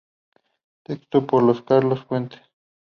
Texto por Carlos Fuentes.